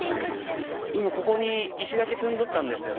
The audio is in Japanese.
今ここに石垣積んどったんですよ。